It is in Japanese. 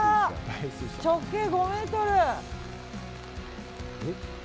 直径５ｍ！